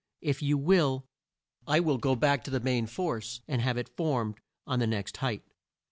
If you will, I will go back to the main force and have it formed on the next height."